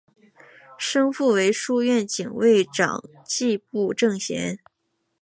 生父为书院警卫长迹部正贤。